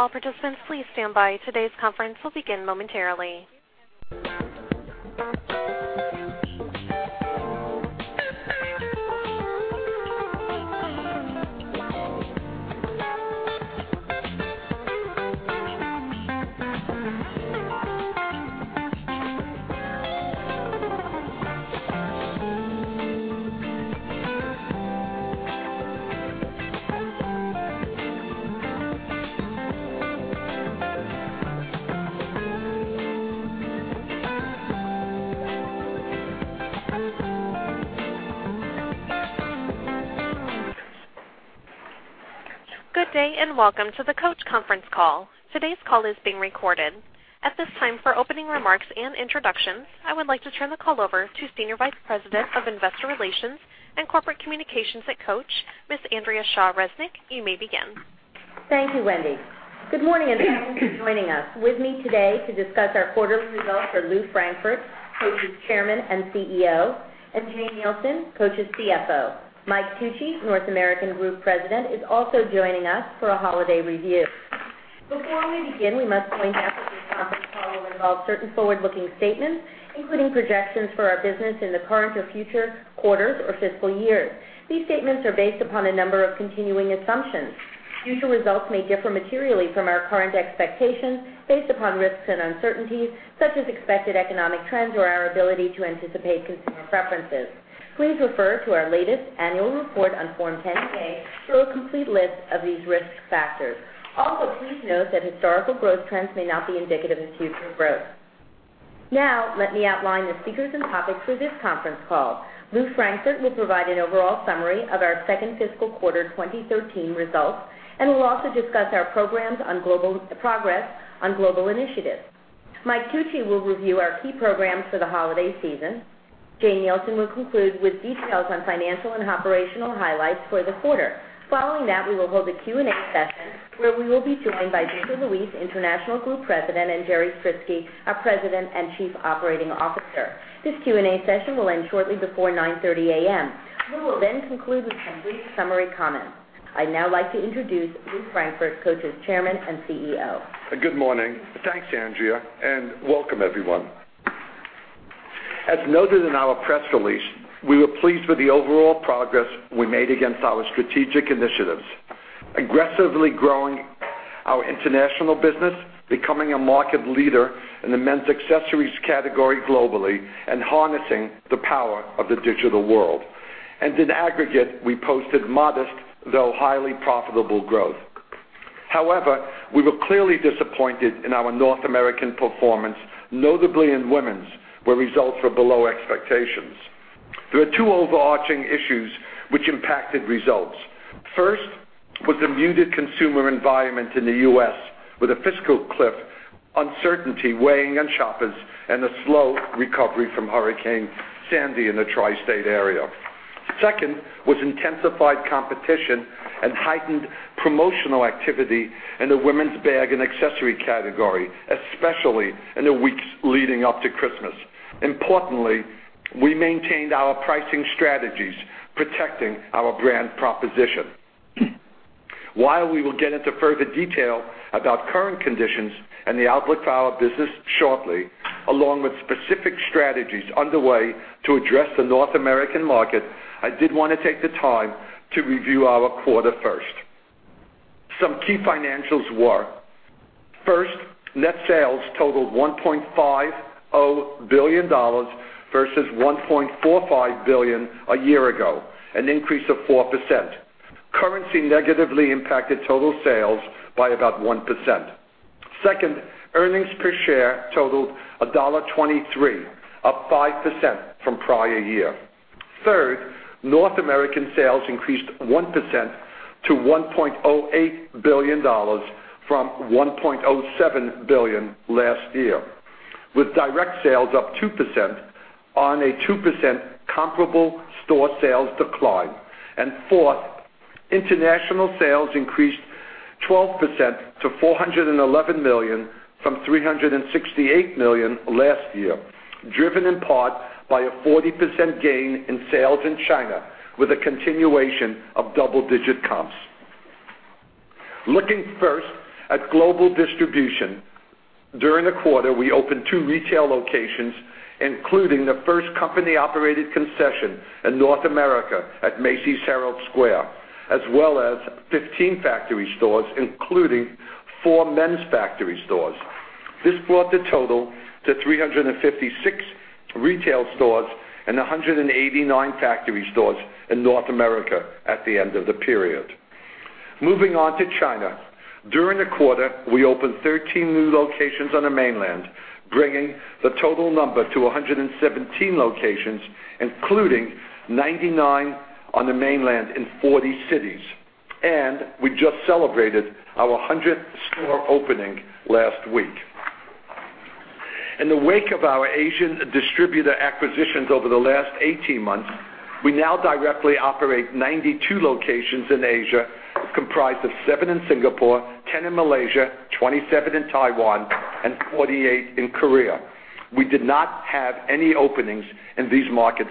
All participants, please stand by. Today's conference will begin momentarily. Good day, and welcome to the Coach conference call. Today's call is being recorded. At this time, for opening remarks and introductions, I would like to turn the call over to Senior Vice President of Investor Relations and Corporate Communications at Coach, Ms. Andrea Shaw Resnick. You may begin. Thank you, Wendy. Good morning and thank you for joining us. With me today to discuss our quarterly results are Lew Frankfort, Coach's Chairman and CEO, and Jane Nielsen, Coach's CFO. Mike Tucci, North American Group President, is also joining us for a holiday review. Before we begin, we must point out that this conference call will involve certain forward-looking statements, including projections for our business in the current or future quarters or fiscal years. These statements are based upon a number of continuing assumptions. Future results may differ materially from our current expectations based upon risks and uncertainties, such as expected economic trends or our ability to anticipate consumer preferences. Please refer to our latest annual report on Form 10-K for a complete list of these risk factors. Also, please note that historical growth trends may not be indicative of future growth. Let me outline the speakers and topics for this conference call. Lew Frankfort will provide an overall summary of our second fiscal quarter 2013 results and will also discuss our progress on global initiatives. Mike Tucci will review our key programs for the holiday season. Jane Nielsen will conclude with details on financial and operational highlights for the quarter. Following that, we will hold a Q&A session where we will be joined by Victor Luis, International Group President, and Jerry Stritzke, our President and Chief Operating Officer. This Q&A session will end shortly before 9:30 A.M. Lew will then conclude with some brief summary comments. I'd now like to introduce Lew Frankfort, Coach's Chairman and CEO. Good morning. Thanks, Andrea. Welcome everyone. As noted in our press release, we were pleased with the overall progress we made against our strategic initiatives, aggressively growing our international business, becoming a market leader in the men's accessories category globally, and harnessing the power of the digital world. In aggregate, we posted modest, though highly profitable growth. However, we were clearly disappointed in our North American performance, notably in women's, where results were below expectations. There were two overarching issues which impacted results. First was the muted consumer environment in the U.S., with a fiscal cliff uncertainty weighing on shoppers and a slow recovery from Hurricane Sandy in the tri-state area. Second was intensified competition and heightened promotional activity in the women's bag and accessory category, especially in the weeks leading up to Christmas. Importantly, we maintained our pricing strategies, protecting our brand proposition. While we will get into further detail about current conditions and the outlook for our business shortly, along with specific strategies underway to address the North American market, I did want to take the time to review our quarter first. Some key financials were, first, net sales totaled $1.50 billion versus $1.45 billion a year ago, an increase of 4%. Currency negatively impacted total sales by about 1%. Second, earnings per share totaled $1.23, up 5% from prior year. Third, North American sales increased 1% to $1.08 billion from $1.07 billion last year, with direct sales up 2% on a 2% comparable store sales decline. Fourth, international sales increased 12% to $411 million from $368 million last year, driven in part by a 40% gain in sales in China with a continuation of double-digit comps. Looking first at global distribution, during the quarter, we opened two retail locations, including the first company-operated concession in North America at Macy's Herald Square, as well as 15 factory stores, including four men's factory stores. This brought the total to 356 retail stores and 189 factory stores in North America at the end of the period. Moving on to China. During the quarter, we opened 13 new locations on the mainland, bringing the total number to 117 locations, including 99 on the mainland in 40 cities. We just celebrated our 100th store opening last week. In the wake of our Asian distributor acquisitions over the last 18 months, we now directly operate 92 locations in Asia comprised of seven in Singapore, 10 in Malaysia, 27 in Taiwan, and 48 in Korea. We did not have any openings in these markets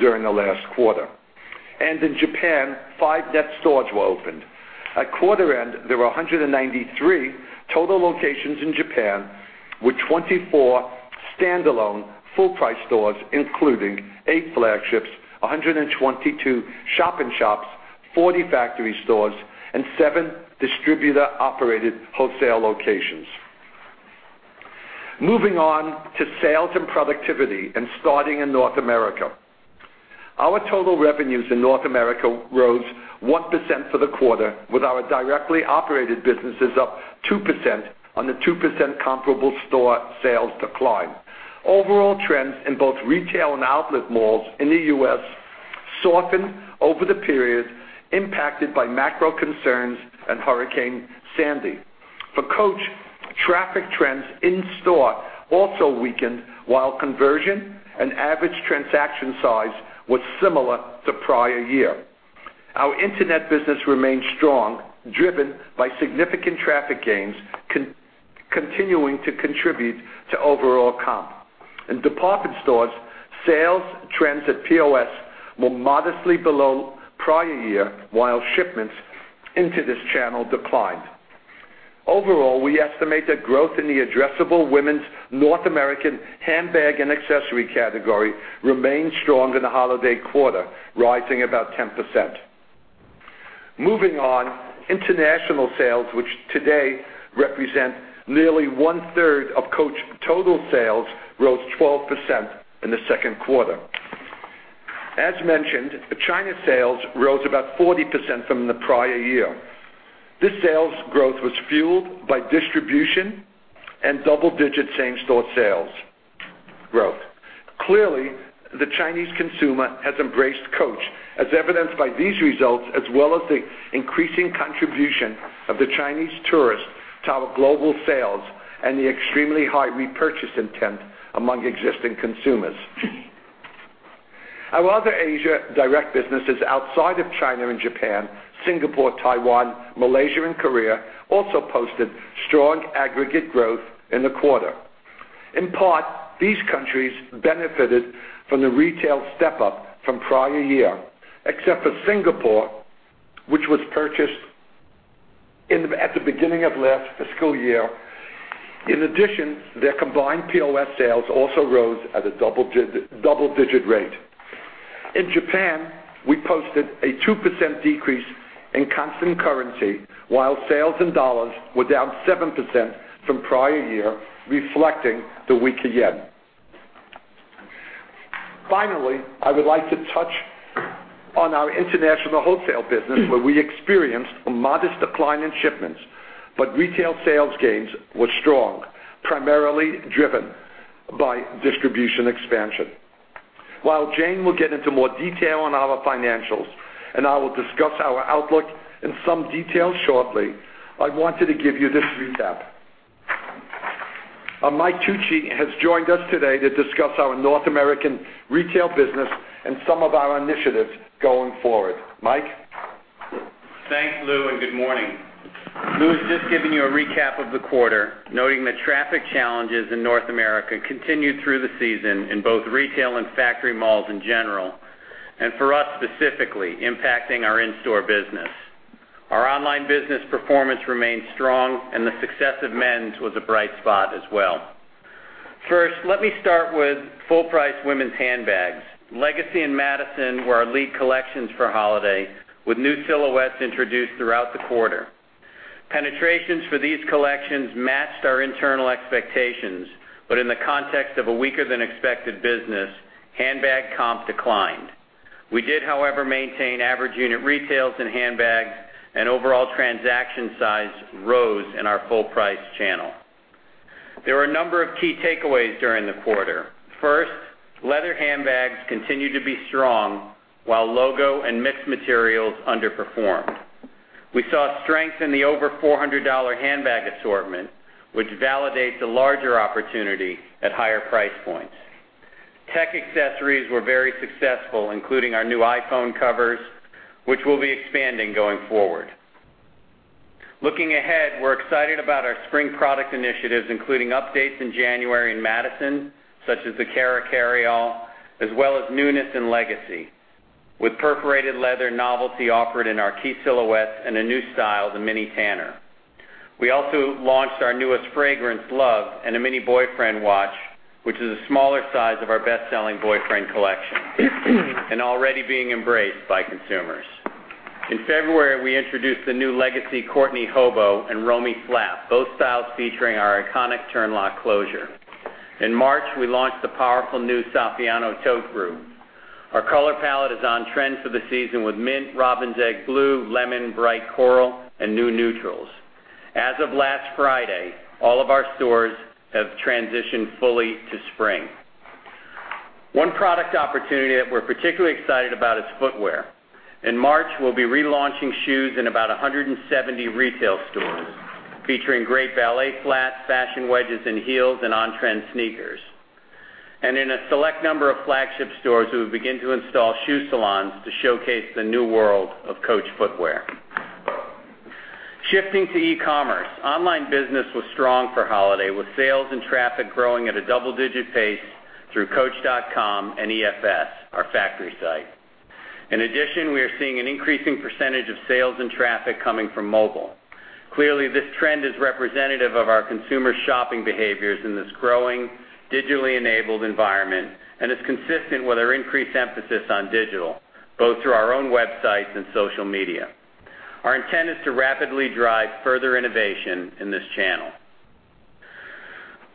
during the last quarter. In Japan, five net stores were opened. At quarter end, there were 193 total locations in Japan, with 24 standalone full-price stores, including eight flagships, 122 shop-in-shops, 40 factory stores, and seven distributor-operated wholesale locations. Moving on to sales and productivity and starting in North America. Our total revenues in North America rose 1% for the quarter, with our directly operated businesses up 2% on the 2% comparable store sales decline. Overall trends in both retail and outlet malls in the U.S. softened over the period, impacted by macro concerns and Hurricane Sandy. For Coach, traffic trends in-store also weakened, while conversion and average transaction size was similar to prior year. Our internet business remained strong, driven by significant traffic gains continuing to contribute to overall comp. In department stores, sales trends at POS were modestly below prior year, while shipments into this channel declined. Overall, we estimate that growth in the addressable women's North American handbag and accessory category remained strong in the holiday quarter, rising about 10%. Moving on, international sales, which today represent nearly one-third of Coach total sales, rose 12% in the second quarter. As mentioned, China sales rose about 40% from the prior year. This sales growth was fueled by distribution and double-digit same-store sales growth. Clearly, the Chinese consumer has embraced Coach, as evidenced by these results, as well as the increasing contribution of the Chinese tourist to our global sales and the extremely high repurchase intent among existing consumers. Our other Asia direct businesses outside of China and Japan, Singapore, Taiwan, Malaysia, and Korea, also posted strong aggregate growth in the quarter. In part, these countries benefited from the retail step-up from prior year, except for Singapore, which was purchased at the beginning of last fiscal year. In addition, their combined POS sales also rose at a double-digit rate. In Japan, we posted a 2% decrease in constant currency, while sales in U.S. dollars were down 7% from prior year, reflecting the weaker JPY. Finally, I would like to touch on our international wholesale business where we experienced a modest decline in shipments, but retail sales gains were strong, primarily driven by distribution expansion. While Jane will get into more detail on our financials and I will discuss our outlook in some detail shortly, I wanted to give you this recap. Our Mike Tucci has joined us today to discuss our North American retail business and some of our initiatives going forward. Mike? Thanks, Lew. Good morning. Lew has just given you a recap of the quarter, noting that traffic challenges in North America continued through the season in both retail and factory malls in general, and for us specifically, impacting our in-store business. Our online business performance remained strong, and the success of men's was a bright spot as well. First, let me start with full-price women's handbags. Legacy and Madison were our lead collections for holiday, with new silhouettes introduced throughout the quarter. Penetrations for these collections matched our internal expectations, but in the context of a weaker-than-expected business, handbag comp declined. We did, however, maintain average unit retails in handbags, and overall transaction size rose in our full-price channel. There were a number of key takeaways during the quarter. First, leather handbags continued to be strong, while logo and mixed materials underperformed. We saw strength in the over $400 handbag assortment, which validates a larger opportunity at higher price points. Tech accessories were very successful, including our new iPhone covers, which we'll be expanding going forward. Looking ahead, we're excited about our spring product initiatives, including updates in January in Madison, such as the Kara carryall, as well as newness in Legacy, with perforated leather novelty offered in our key silhouettes and a new style, the Mini Tanner. We also launched our newest fragrance, Love, and a Mini Boyfriend watch, which is a smaller size of our best-selling Boyfriend collection and already being embraced by consumers. In February, we introduced the new Legacy Courtenay Hobo and Romy Flap, both styles featuring our iconic turnlock closure. In March, we launched the powerful new Saffiano tote group. Our color palette is on trend for the season with mint, robin's egg blue, lemon, bright coral, and new neutrals. As of last Friday, all of our stores have transitioned fully to spring. One product opportunity that we're particularly excited about is footwear. In March, we'll be relaunching shoes in about 170 retail stores, featuring great ballet flats, fashion wedges, and heels, and on-trend sneakers. In a select number of flagship stores, we will begin to install shoe salons to showcase the new world of Coach footwear. Shifting to e-commerce, online business was strong for holiday, with sales and traffic growing at a double-digit pace through coach.com and EFS, our factory site. In addition, we are seeing an increasing percentage of sales and traffic coming from mobile. Clearly, this trend is representative of our consumer shopping behaviors in this growing digitally enabled environment and is consistent with our increased emphasis on digital, both through our own websites and social media. Our intent is to rapidly drive further innovation in this channel.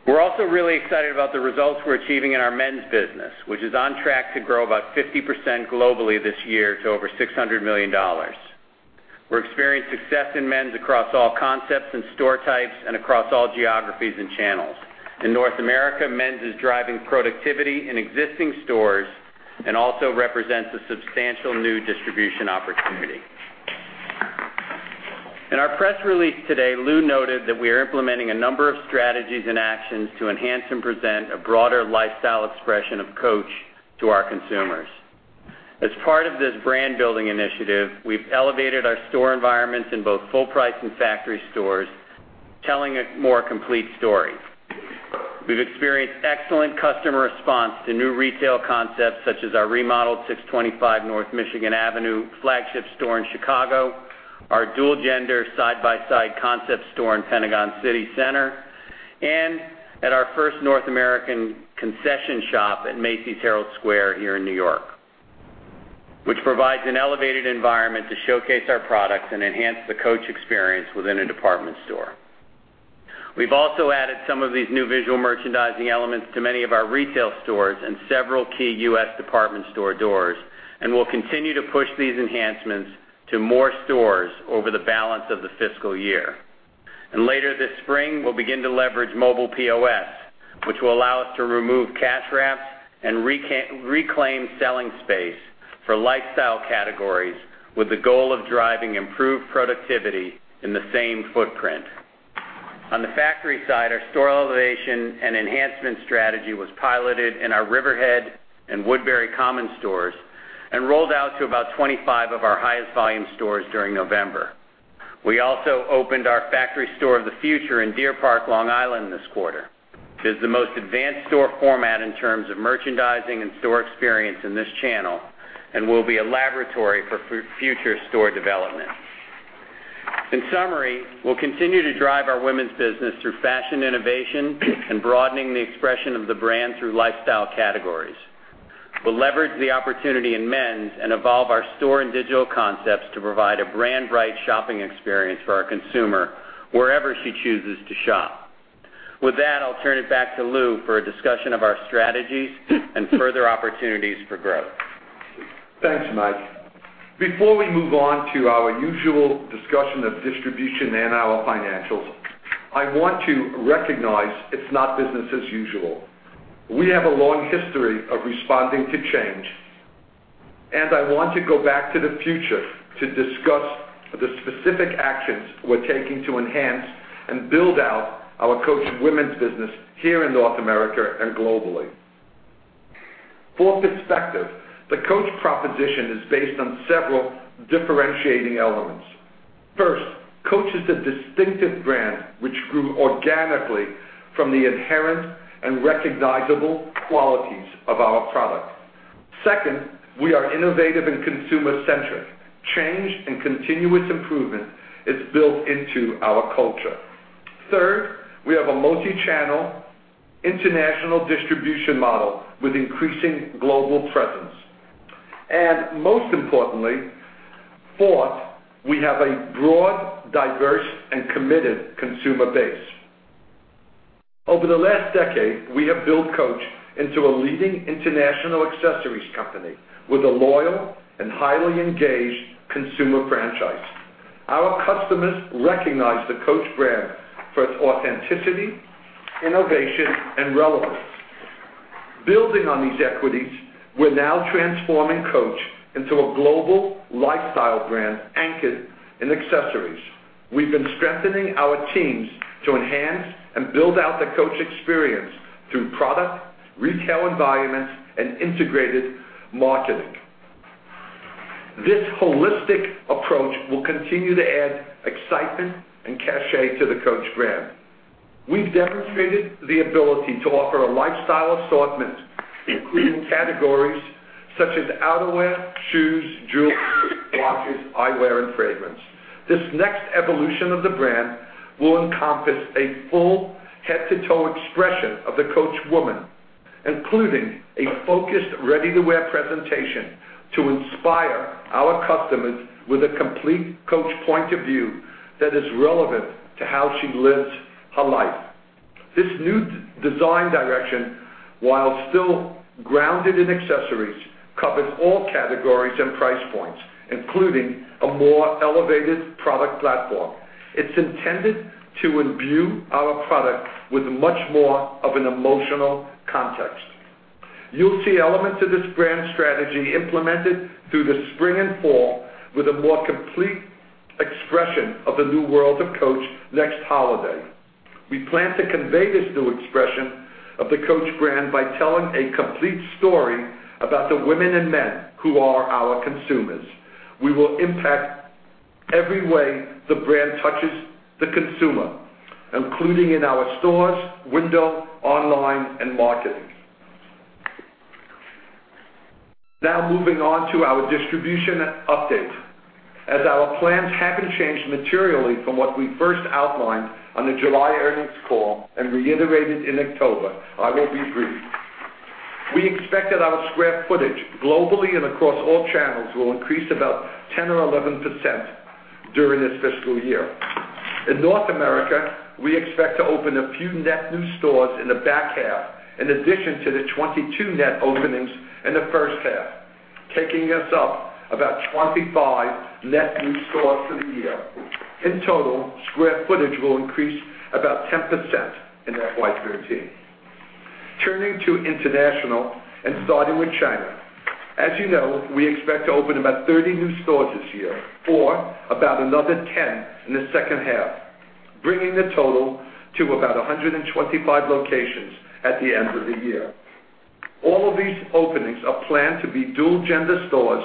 We're also really excited about the results we're achieving in our men's business, which is on track to grow about 50% globally this year to over $600 million. We're experiencing success in men's across all concepts and store types, and across all geographies and channels. In North America, men's is driving productivity in existing stores and also represents a substantial new distribution opportunity. In our press release today, Lew noted that we are implementing a number of strategies and actions to enhance and present a broader lifestyle expression of Coach to our consumers. As part of this brand-building initiative, we've elevated our store environments in both full price and factory stores, telling a more complete story. We've experienced excellent customer response to new retail concepts such as our remodeled 625 North Michigan Avenue flagship store in Chicago, our dual-gender side-by-side concept store in Pentagon City Center, and at our first North American concession shop at Macy's Herald Square here in New York, which provides an elevated environment to showcase our products and enhance the Coach experience within a department store. We've also added some of these new visual merchandising elements to many of our retail stores and several key U.S. department store doors, and will continue to push these enhancements to more stores over the balance of the fiscal year. Later this spring, we'll begin to leverage mobile POS, which will allow us to remove cash wraps and reclaim selling space for lifestyle categories with the goal of driving improved productivity in the same footprint. On the factory side, our store elevation and enhancement strategy was piloted in our Riverhead and Woodbury Common stores and rolled out to about 25 of our highest volume stores during November. We also opened our factory store of the future in Deer Park, Long Island, this quarter. It is the most advanced store format in terms of merchandising and store experience in this channel and will be a laboratory for future store development. In summary, we'll continue to drive our women's business through fashion innovation and broadening the expression of the brand through lifestyle categories. We'll leverage the opportunity in men's and evolve our store and digital concepts to provide a brand-right shopping experience for our consumer wherever she chooses to shop. With that, I'll turn it back to Lew for a discussion of our strategies and further opportunities for growth. Thanks, Mike. Before we move on to our usual discussion of distribution and our financials, I want to recognize it's not business as usual. We have a long history of responding to change. I want to go back to the future to discuss the specific actions we're taking to enhance and build out our Coach women's business here in North America and globally. For perspective, the Coach proposition is based on several differentiating elements. First, Coach is a distinctive brand which grew organically from the inherent and recognizable qualities of our product. Second, we are innovative and consumer-centric. Change and continuous improvement is built into our culture. Third, we have a multi-channel international distribution model with increasing global presence. Most importantly, fourth, we have a broad, diverse, and committed consumer base. Over the last decade, we have built Coach into a leading international accessories company with a loyal and highly engaged consumer franchise. Our customers recognize the Coach brand for its authenticity, innovation, and relevance. Building on these equities, we're now transforming Coach into a global lifestyle brand anchored in accessories. We've been strengthening our teams to enhance and build out the Coach experience through product, retail environments, and integrated marketing. This holistic approach will continue to add excitement and cachet to the Coach brand. We've demonstrated the ability to offer a lifestyle assortment, including categories such as outerwear, shoes, jewelry, watches, eyewear, and fragrance. This next evolution of the brand will encompass a full head-to-toe expression of the Coach woman, including a focused ready-to-wear presentation to inspire our customers with a complete Coach point of view that is relevant to how she lives her life. This new design direction, while still grounded in accessories, covers all categories and price points, including a more elevated product platform. It's intended to imbue our product with much more of an emotional context. You'll see elements of this brand strategy implemented through the spring and fall with a more complete expression of the new world of Coach next holiday. We plan to convey this new expression of the Coach brand by telling a complete story about the women and men who are our consumers. We will impact every way the brand touches the consumer, including in our stores, window, online, and marketing. Moving on to our distribution update. As our plans haven't changed materially from what we first outlined on the July earnings call and reiterated in October, I will be brief. We expect that our square footage globally and across all channels will increase about 10% or 11% during this fiscal year. In North America, we expect to open a few net new stores in the back half, in addition to the 22 net openings in the first half, taking us up about 25 net new stores for the year. In total, square footage will increase about 10% in FY 2013. Turning to international, starting with China. As you know, we expect to open about 30 new stores this year, or about another 10 in the second half, bringing the total to about 125 locations at the end of the year. All of these openings are planned to be dual-gender stores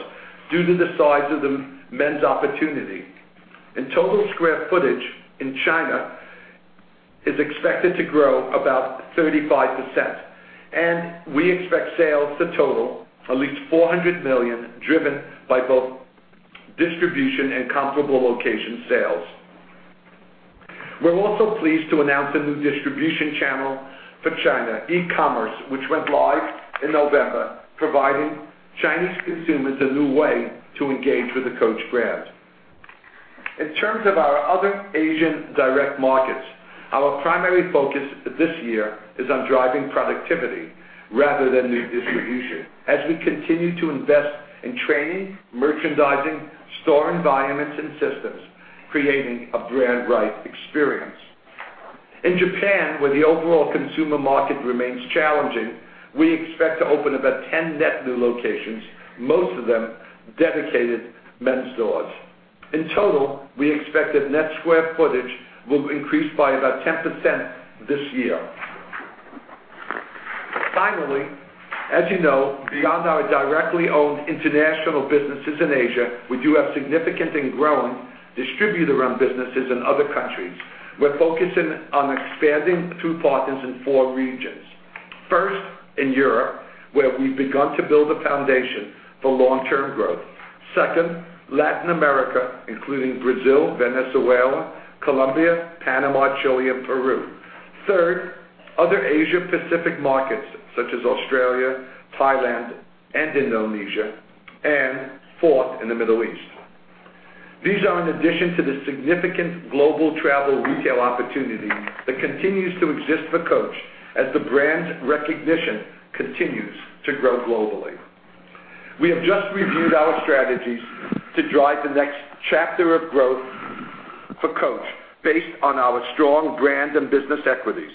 due to the size of the men's opportunity. Total square footage in China is expected to grow about 35%, and we expect sales to total at least $400 million, driven by both distribution and comparable location sales. We are also pleased to announce a new distribution channel for China, e-commerce, which went live in November, providing Chinese consumers a new way to engage with the Coach brand. In terms of our other Asian direct markets, our primary focus this year is on driving productivity rather than new distribution as we continue to invest in training, merchandising, store environments, and systems, creating a brand-right experience. In Japan, where the overall consumer market remains challenging, we expect to open about 10 net new locations, most of them dedicated men's stores. In total, we expect that net square footage will increase by about 10% this year. As you know, beyond our directly owned international businesses in Asia, we do have significant and growing distributor-run businesses in other countries. We are focusing on expanding through partners in four regions. First, in Europe, where we have begun to build a foundation for long-term growth. Second, Latin America, including Brazil, Venezuela, Colombia, Panama, Chile, and Peru. Third, other Asia-Pacific markets such as Australia, Thailand, and Indonesia. Fourth, in the Middle East. These are in addition to the significant global travel retail opportunity that continues to exist for Coach as the brand's recognition continues to grow globally. We have just reviewed our strategies to drive the next chapter of growth for Coach based on our strong brand and business equities.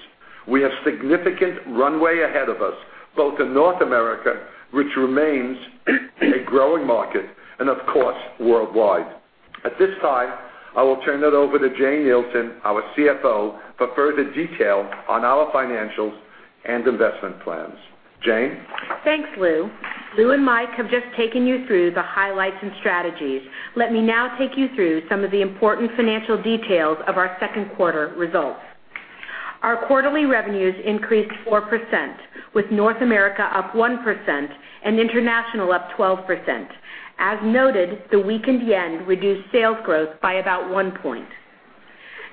We have significant runway ahead of us, both in North America, which remains a growing market, and of course, worldwide. At this time, I will turn it over to Jane Nielsen, our CFO, for further detail on our financials and investment plans. Jane? Thanks, Lew. Lew and Mike have just taken you through the highlights and strategies. Let me now take you through some of the important financial details of our second quarter results. Our quarterly revenues increased 4%, with North America up 1% and international up 12%. As noted, the weakened yen reduced sales growth by about one point.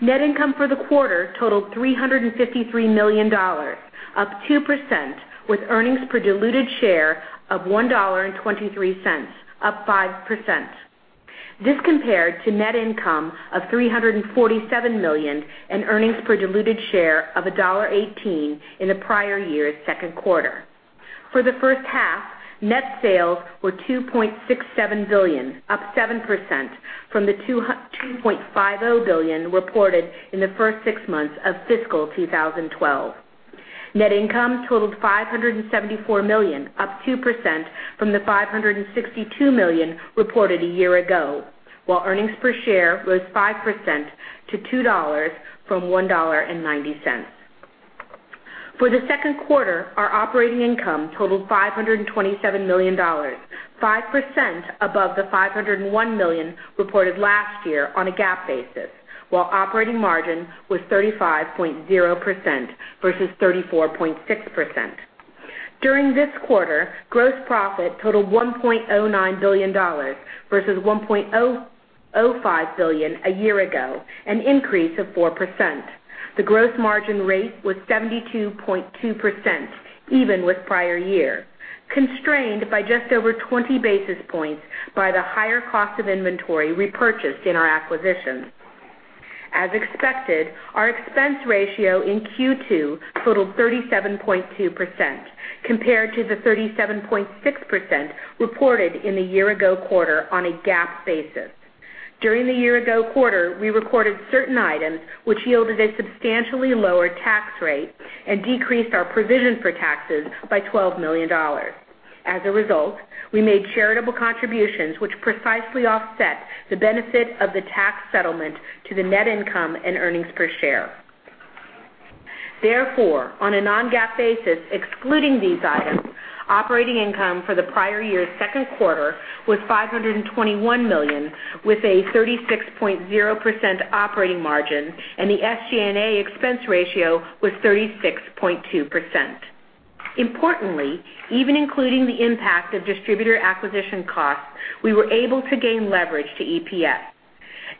Net income for the quarter totaled $353 million, up 2%, with earnings per diluted share of $1.23, up 5%. This compared to net income of $347 million and earnings per diluted share of $1.18 in the prior year's second quarter. For the first half, net sales were $2.67 billion, up 7% from the $2.50 billion reported in the first six months of fiscal 2012. Net income totaled $574 million, up 2% from the $562 million reported a year ago, while earnings per share rose 5% to $2 from $1.90. For the second quarter, our operating income totaled $527 million, 5% above the $501 million reported last year on a GAAP basis, while operating margin was 35.0% versus 34.6%. During this quarter, gross profit totaled $1.09 billion versus $1.05 billion a year ago, an increase of 4%. The gross margin rate was 72.2%, even with prior year, constrained by just over 20 basis points by the higher cost of inventory repurchased in our acquisitions. As expected, our expense ratio in Q2 totaled 37.2% compared to the 37.6% reported in the year-ago quarter on a GAAP basis. During the year-ago quarter, we recorded certain items which yielded a substantially lower tax rate and decreased our provision for taxes by $12 million. As a result, we made charitable contributions which precisely offset the benefit of the tax settlement to the net income and earnings per share. On a non-GAAP basis, excluding these items, operating income for the prior year's second quarter was $521 million, with a 36.0% operating margin, and the SG&A expense ratio was 36.2%. Importantly, even including the impact of distributor acquisition costs, we were able to gain leverage to EPS.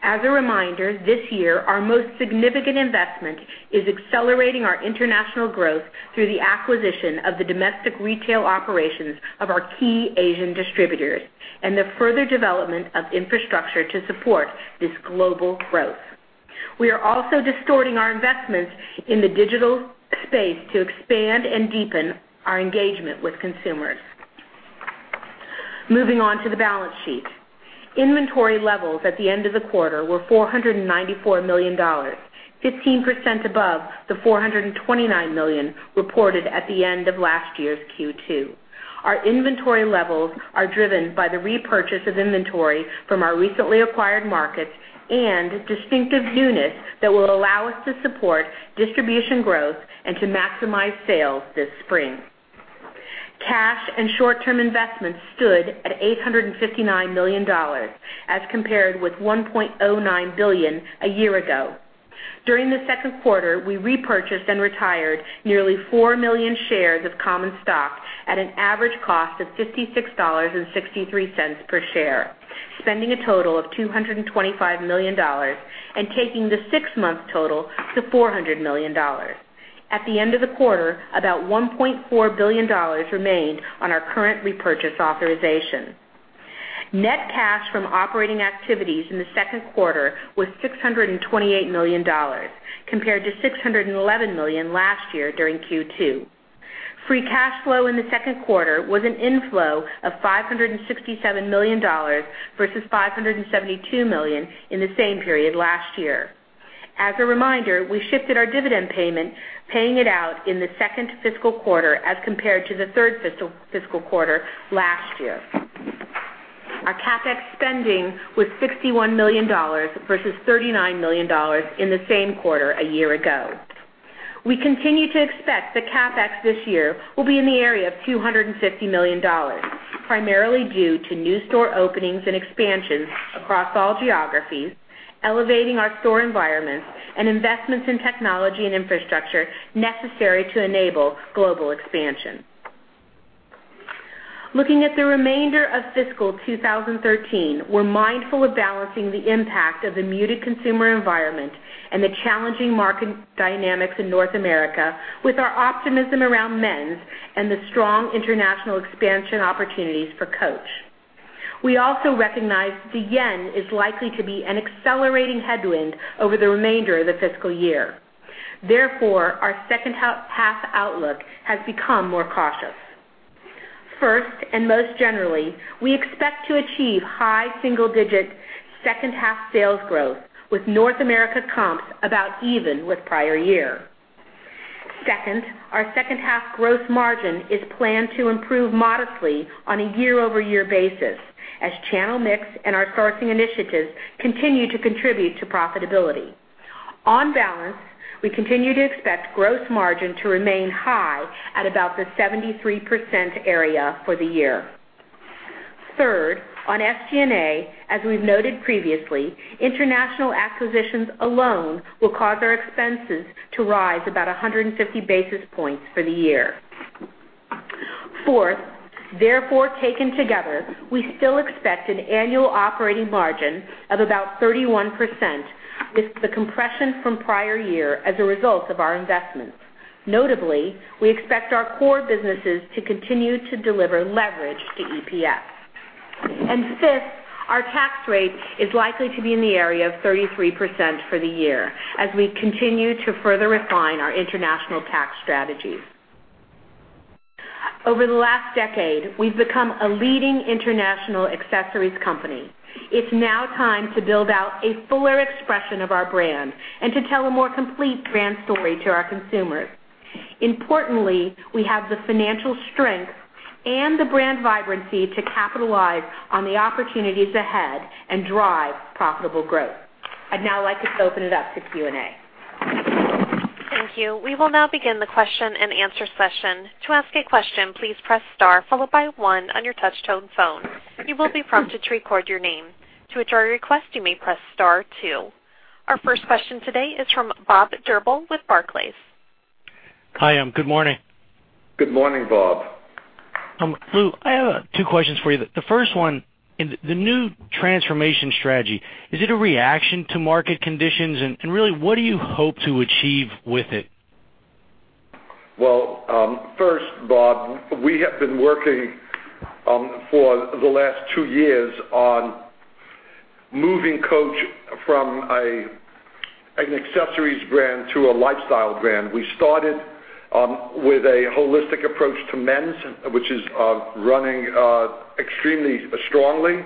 As a reminder, this year, our most significant investment is accelerating our international growth through the acquisition of the domestic retail operations of our key Asian distributors and the further development of infrastructure to support this global growth. We are also distorting our investments in the digital space to expand and deepen our engagement with consumers. Moving on to the balance sheet. Inventory levels at the end of the quarter were $494 million, 15% above the $429 million reported at the end of last year's Q2. Our inventory levels are driven by the repurchase of inventory from our recently acquired markets and distinctive newness that will allow us to support distribution growth and to maximize sales this spring. Cash and short-term investments stood at $859 million, as compared with $1.09 billion a year ago. During the second quarter, we repurchased and retired nearly 4 million shares of common stock at an average cost of $56.63 per share, spending a total of $225 million and taking the six-month total to $400 million. At the end of the quarter, about $1.4 billion remained on our current repurchase authorization. Net cash from operating activities in the second quarter was $628 million, compared to $611 million last year during Q2. Free cash flow in the second quarter was an inflow of $567 million versus $572 million in the same period last year. As a reminder, we shifted our dividend payment, paying it out in the second fiscal quarter as compared to the third fiscal quarter last year. Our CapEx spending was $61 million versus $39 million in the same quarter a year ago. We continue to expect that CapEx this year will be in the area of $250 million, primarily due to new store openings and expansions across all geographies, elevating our store environments, and investments in technology and infrastructure necessary to enable global expansion. Looking at the remainder of fiscal 2013, we're mindful of balancing the impact of the muted consumer environment and the challenging market dynamics in North America with our optimism around men's and the strong international expansion opportunities for Coach. We also recognize the yen is likely to be an accelerating headwind over the remainder of the fiscal year. Our second half outlook has become more cautious. First, most generally, we expect to achieve high single-digit second half sales growth, with North America comps about even with prior year. Second, our second half gross margin is planned to improve modestly on a year-over-year basis as channel mix and our sourcing initiatives continue to contribute to profitability. On balance, we continue to expect gross margin to remain high at about the 73% area for the year. Third, on SG&A, as we've noted previously, international acquisitions alone will cause our expenses to rise about 150 basis points for the year. Fourth, therefore taken together, we still expect an annual operating margin of about 31% with the compression from prior year as a result of our investments. Notably, we expect our core businesses to continue to deliver leverage to EPS. Fifth, our tax rate is likely to be in the area of 33% for the year as we continue to further refine our international tax strategies. Over the last decade, we've become a leading international accessories company. It's now time to build out a fuller expression of our brand and to tell a more complete brand story to our consumers. Importantly, we have the financial strength and the brand vibrancy to capitalize on the opportunities ahead and drive profitable growth. I'd now like to open it up to Q&A. Thank you. We will now begin the question and answer session. To ask a question, please press star followed by one on your touch tone phone. You will be prompted to record your name. To withdraw your request, you may press star two. Our first question today is from Bob Drbul with Barclays. Hi, good morning. Good morning, Bob. Lew, I have two questions for you. The first one, the new transformation strategy, is it a reaction to market conditions? Really, what do you hope to achieve with it? Well, first Bob, we have been working for the last two years on moving Coach from an accessories brand to a lifestyle brand. We started with a holistic approach to men's, which is running extremely strongly.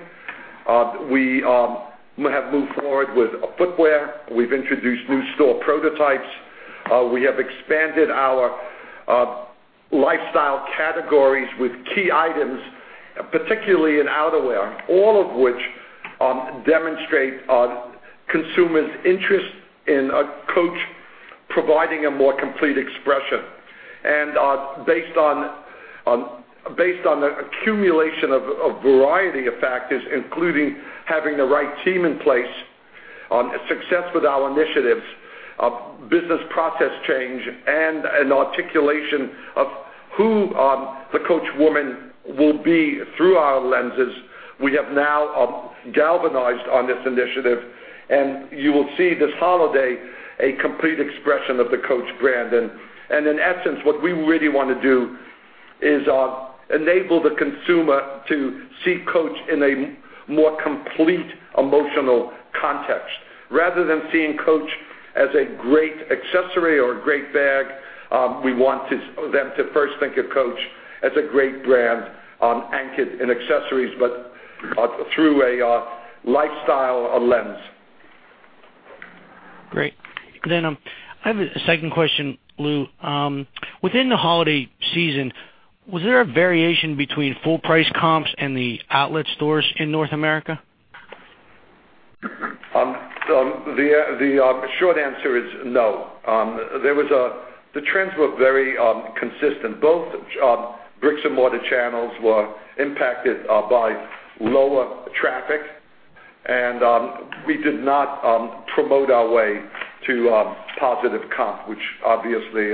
We have moved forward with footwear. We've introduced new store prototypes. We have expanded our lifestyle categories with key items, particularly in outerwear, all of which demonstrate consumer's interest in Coach providing a more complete expression. Based on the accumulation of a variety of factors, including having the right team in place, success with our initiatives, business process change, and an articulation of who the Coach woman will be through our lenses, we have now galvanized on this initiative, and you will see this holiday a complete expression of the Coach brand. In essence, what we really want to do is enable the consumer to see Coach in a more complete emotional context. Rather than seeing Coach as a great accessory or a great bag, we want them to first think of Coach as a great brand anchored in accessories, but through a lifestyle lens. Great. I have a second question, Lew. Within the holiday season, was there a variation between full price comps and the outlet stores in North America? The short answer is no. The trends were very consistent. Both bricks and mortar channels were impacted by lower traffic, and we did not promote our way to positive comp, which obviously,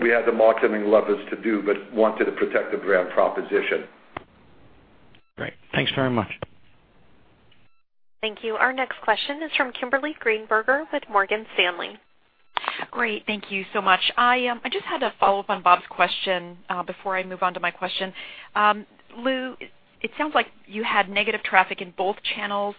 we had the marketing levers to do, but wanted to protect the brand proposition. Great. Thanks very much. Thank you. Our next question is from Kimberly Greenberger with Morgan Stanley. Great. Thank you so much. I just had a follow-up on Bob's question before I move on to my question. Lew, it sounds like you had negative traffic in both channels.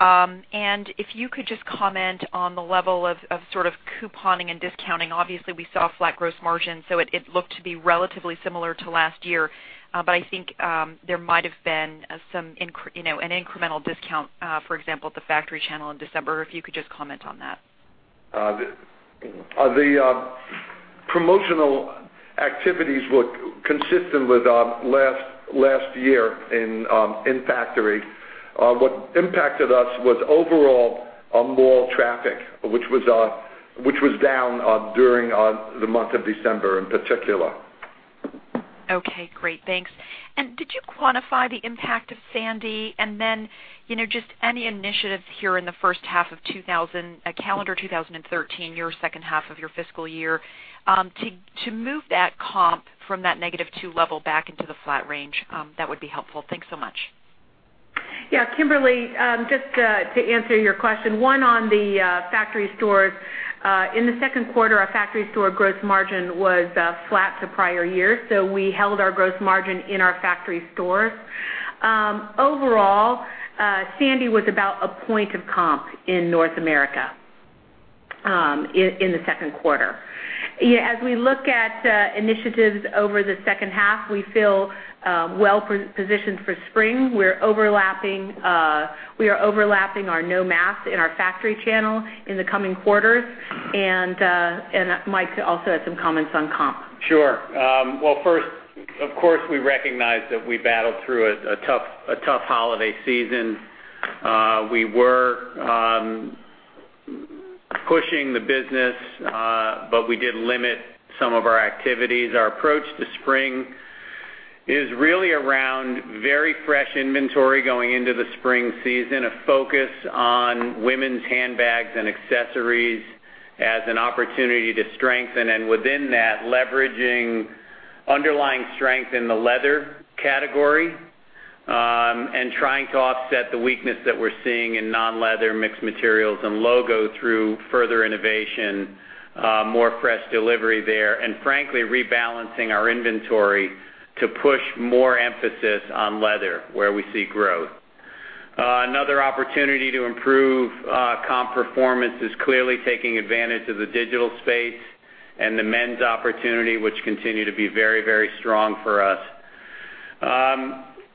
If you could just comment on the level of sort of couponing and discounting. Obviously, we saw flat gross margin, so it looked to be relatively similar to last year. I think there might have been an incremental discount, for example, at the factory channel in December. If you could just comment on that. The promotional activities were consistent with last year in factory. What impacted us was overall mall traffic, which was down during the month of December in particular. Okay, great. Thanks. Did you quantify the impact of Sandy? Then, just any initiatives here in the first half of calendar 2013, your second half of your fiscal year to move that comp from that negative 2 level back into the flat range, that would be helpful. Thanks so much. Yeah, Kimberly, just to answer your question, one on the factory stores. In the second quarter, our factory store gross margin was flat to prior year. We held our gross margin in our factory stores. Overall, Sandy was about a point of comp in North America in the second quarter. We look at initiatives over the second half, we feel well positioned for spring. We are overlapping our NOMAD in our factory channel in the coming quarters. Mike also had some comments on comp. Sure. Well, first, of course, we recognize that we battled through a tough holiday season. We were pushing the business, but we did limit some of our activities. Our approach to spring is really around very fresh inventory going into the spring season, a focus on women's handbags and accessories as an opportunity to strengthen, and within that, leveraging underlying strength in the leather category and trying to offset the weakness that we're seeing in non-leather, mixed materials, and logo through further innovation, more fresh delivery there. Frankly, rebalancing our inventory to push more emphasis on leather, where we see growth. Another opportunity to improve comp performance is clearly taking advantage of the digital space and the men's opportunity, which continue to be very strong for us.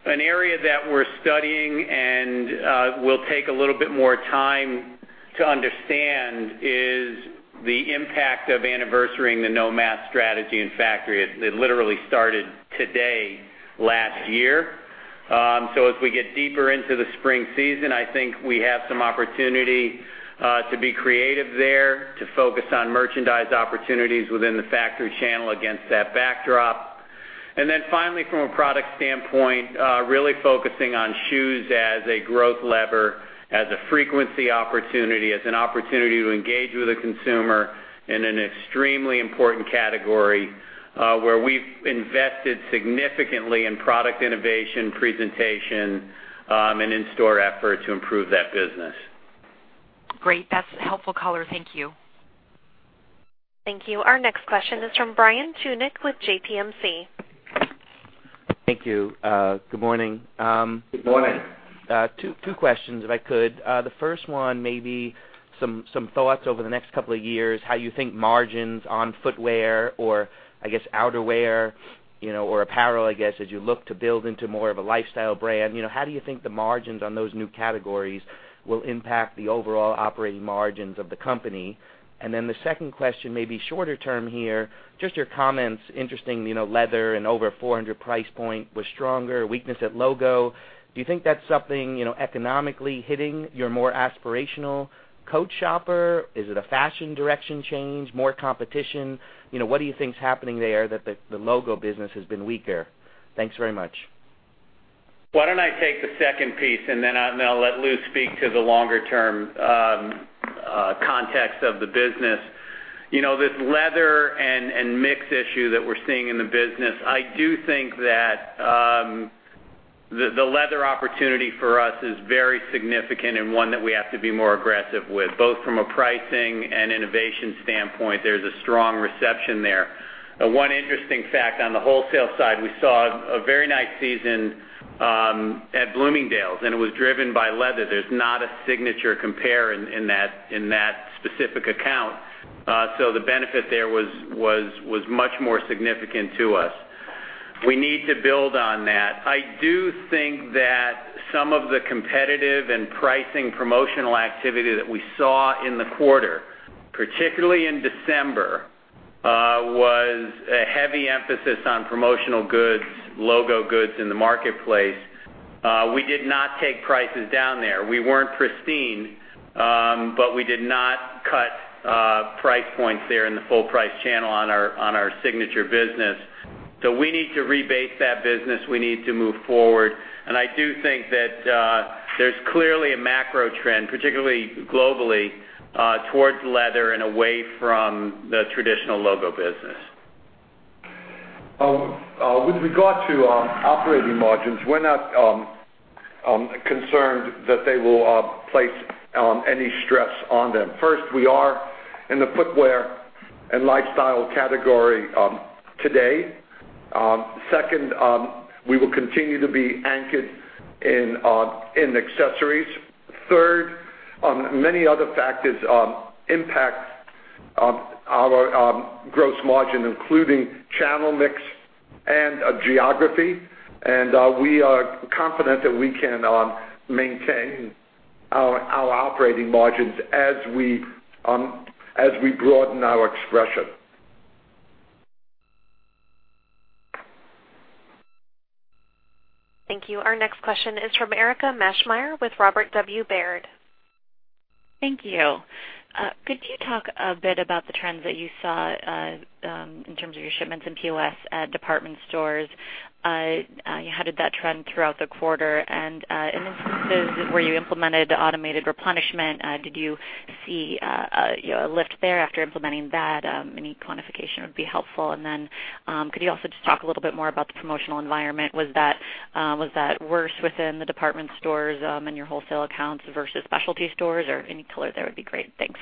An area that we're studying and will take a little bit more time to understand is the impact of anniversarying the NOMAD strategy in factory. It literally started today last year. As we get deeper into the spring season, I think we have some opportunity to be creative there, to focus on merchandise opportunities within the factory channel against that backdrop. Finally, from a product standpoint, really focusing on shoes as a growth lever, as a frequency opportunity, as an opportunity to engage with the consumer in an extremely important category where we've invested significantly in product innovation, presentation, and in-store effort to improve that business. Great. That's a helpful color. Thank you. Thank you. Our next question is from Brian Tunick with JPMC. Thank you. Good morning. Good morning. Two questions, if I could. The first one, maybe some thoughts over the next couple of years, how you think margins on footwear or I guess outerwear, or apparel, I guess, as you look to build into more of a lifestyle brand. How do you think the margins on those new categories will impact the overall operating margins of the company? The second question may be shorter term here. Just your comments, interesting, leather and over $400 price point was stronger, weakness at logo. Do you think that's something economically hitting your more aspirational Coach shopper? Is it a fashion direction change, more competition? What do you think is happening there that the logo business has been weaker? Thanks very much. Why don't I take the second piece and then I'll let Lew speak to the longer-term context of the business. This leather and mix issue that we're seeing in the business, I do think that the leather opportunity for us is very significant and one that we have to be more aggressive with, both from a pricing and innovation standpoint. There's a strong reception there. One interesting fact on the wholesale side, we saw a very nice season at Bloomingdale's, and it was driven by leather. There's not a signature compare in that specific account. The benefit there was much more significant to us. We need to build on that. I do think that some of the competitive and pricing promotional activity that we saw in the quarter, particularly in December, was a heavy emphasis on promotional goods, logo goods in the marketplace. We did not take prices down there. We weren't pristine, but we did not cut price points there in the full price channel on our signature business. We need to rebase that business. We need to move forward. I do think that there's clearly a macro trend, particularly globally, towards leather and away from the traditional logo business. With regard to operating margins, we're not concerned that they will place any stress on them. First, we are in the footwear and lifestyle category today. Second, we will continue to be anchored in accessories. Third, many other factors impact our gross margin, including channel mix and geography. We are confident that we can maintain our operating margins as we broaden our expression. Thank you. Our next question is from Erika Maschmeyer with Robert W. Baird. Thank you. Could you talk a bit about the trends that you saw in terms of your shipments and POS at department stores? How did that trend throughout the quarter? In instances where you implemented automated replenishment, did you see a lift there after implementing that? Any quantification would be helpful. Could you also just talk a little bit more about the promotional environment? Was that worse within the department stores, in your wholesale accounts versus specialty stores? Any color there would be great. Thanks.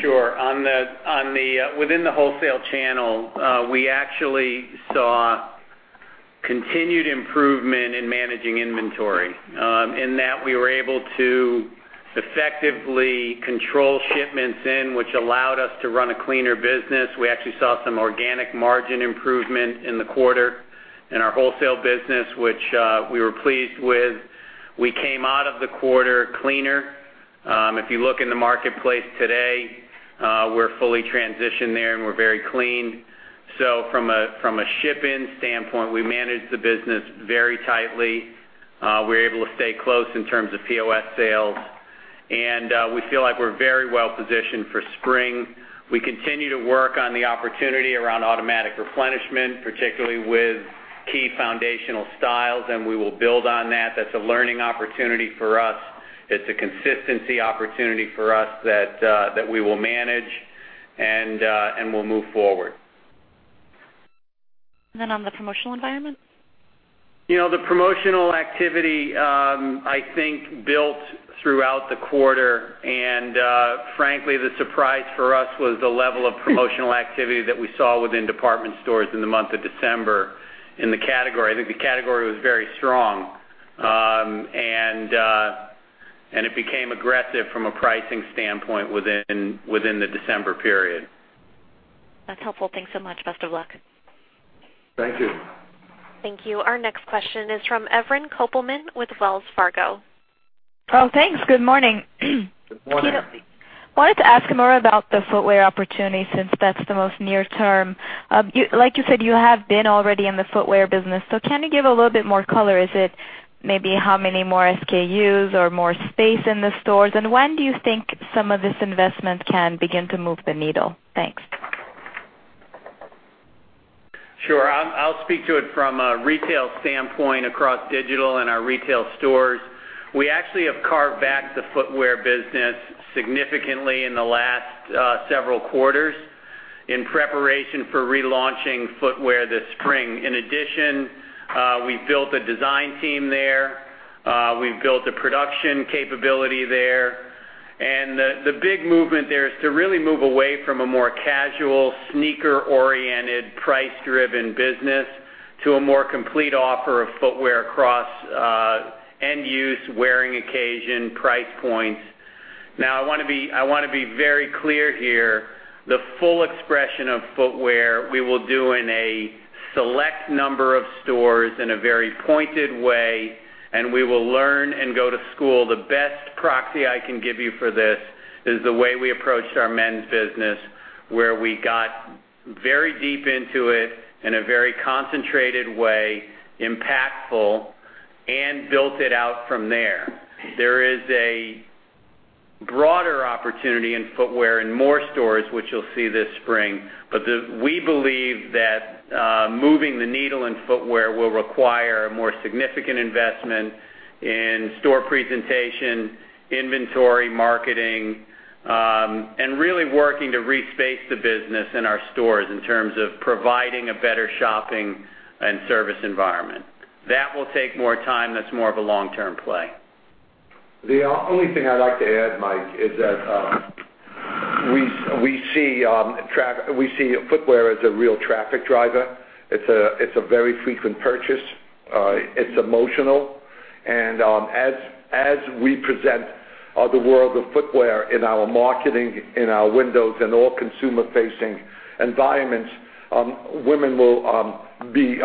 Sure. Within the wholesale channel, we actually saw continued improvement in managing inventory. We were able to effectively control shipments in which allowed us to run a cleaner business. We actually saw some organic margin improvement in the quarter in our wholesale business, which we were pleased with. We came out of the quarter cleaner. If you look in the marketplace today, we're fully transitioned there, and we're very clean. From a ship in standpoint, we managed the business very tightly. We were able to stay close in terms of POS sales. We feel like we're very well-positioned for spring. We continue to work on the opportunity around automatic replenishment, particularly with key foundational styles. We will build on that. That's a learning opportunity for us. It's a consistency opportunity for us that we will manage. We'll move forward. On the promotional environment? The promotional activity, I think, built throughout the quarter. Frankly, the surprise for us was the level of promotional activity that we saw within department stores in the month of December in the category. I think the category was very strong. It became aggressive from a pricing standpoint within the December period. That's helpful. Thanks so much. Best of luck. Thank you. Thank you. Our next question is from Evren Kopelman with Wells Fargo. Thanks. Good morning. Good morning. I wanted to ask more about the footwear opportunity since that's the most near term. Like you said, you have been already in the footwear business. Can you give a little bit more color? Is it maybe how many more SKUs or more space in the stores? When do you think some of this investment can begin to move the needle? Thanks. Sure. I'll speak to it from a retail standpoint across digital and our retail stores. We actually have carved back the footwear business significantly in the last several quarters in preparation for relaunching footwear this spring. We built a design team there. We've built a production capability there. The big movement there is to really move away from a more casual sneaker-oriented, price-driven business to a more complete offer of footwear across end-use wearing occasion, price points. I want to be very clear here. The full expression of footwear we will do in a select number of stores in a very pointed way, and we will learn and go to school. The best proxy I can give you for this is the way we approached our men's business, where we got very deep into it in a very concentrated way, impactful, and built it out from there. There is a broader opportunity in footwear in more stores, which you'll see this spring. We believe that moving the needle in footwear will require a more significant investment in store presentation, inventory, marketing, and really working to respace the business in our stores in terms of providing a better shopping and service environment. That will take more time. That's more of a long-term play. The only thing I'd like to add, Mike Tucci, is that we see footwear as a real traffic driver. It's a very frequent purchase. It's emotional. As we present the world of footwear in our marketing, in our windows and all consumer-facing environments, women will be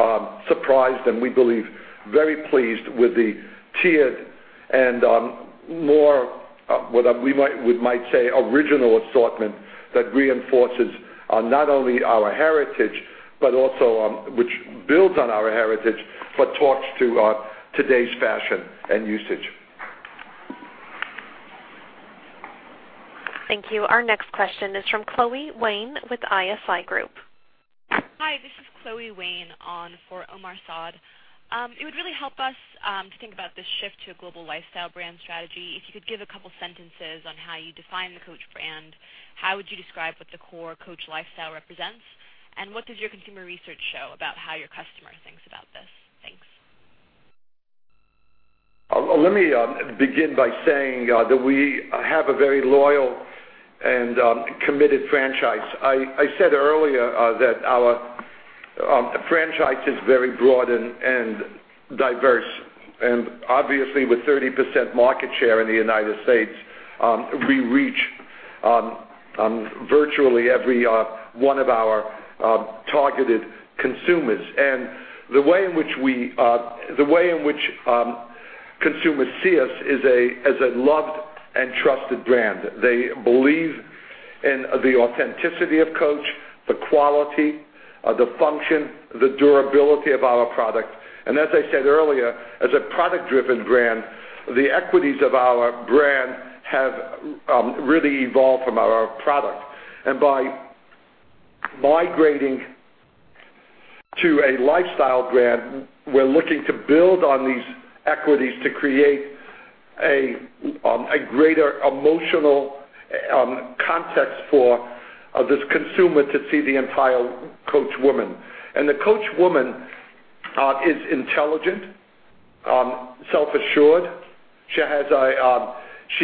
surprised, and we believe very pleased with the tiered and more, what we might say, original assortment that reinforces not only our heritage, but also which builds on our heritage, but talks to today's fashion and usage. Thank you. Our next question is from Chloe Wayne with ISI Group. Hi, this is Chloe Wayne on for Omar Saad. It would really help us to think about the shift to a global lifestyle brand strategy. If you could give a couple of sentences on how you define the Coach brand, how would you describe what the core Coach lifestyle represents, and what does your consumer research show about how your customer thinks about this? Thanks. Let me begin by saying that we have a very loyal and committed franchise. I said earlier that our franchise is very broad and diverse. Obviously, with 30% market share in the U.S., we reach virtually every one of our targeted consumers. The way in which consumers see us is as a loved and trusted brand. They believe in the authenticity of Coach, the quality, the function, the durability of our product. As I said earlier, as a product-driven brand, the equities of our brand have really evolved from our product. By migrating to a lifestyle brand, we're looking to build on these equities to create a greater emotional context for this consumer to see the entire Coach woman. The Coach woman is intelligent, self-assured. She